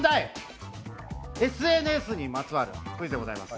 ＳＮＳに関するクイズでございます。